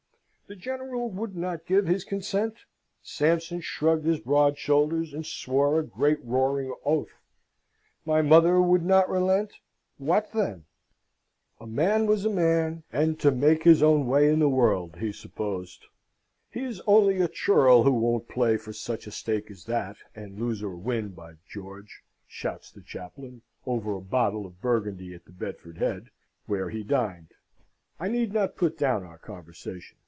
The General would not give his consent? Sampson shrugged his broad shoulders and swore a great roaring oath. My mother would not relent? What then? A man was a man, and to make his own way in the world? he supposed. He is only a churl who won't play for such a stake as that, and lose or win, by George! shouts the chaplain, over a bottle of Burgundy at the Bedford Head, where he dined. I need not put down our conversation.